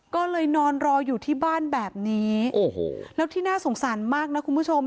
ก็เลยนอนรออยู่ที่บ้านแบบนี้โอ้โหแล้วที่น่าสงสารมากนะคุณผู้ชม